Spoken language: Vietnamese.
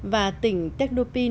và tỉnh tectopin